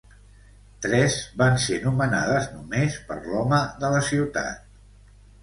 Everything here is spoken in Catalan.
Tres van ser nomenades només per l'"Home" de la ciutat.